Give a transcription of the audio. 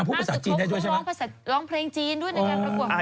พร้อมทุกคนร้องเพลงจีนด้วยนะคะ